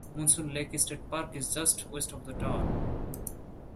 Monson Lake State Park is just west of the town.